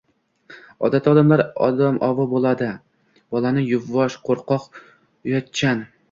Odatda odamlar odamovi bolani yuvosh, qo‘rqoq, uyatchan